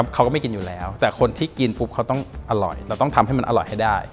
เขาก็ไม่กินอยู่แล้วแต่คนที่กินปุ๊บเขาต้องอร่อยเราต้องทำให้มันอร่อยให้ได้